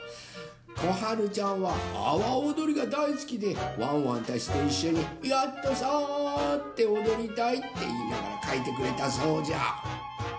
こはるちゃんはあわおどりがだいすきでワンワンたちといっしょに「ヤットサー！」っておどりたいっていいながらかいてくれたそうじゃ。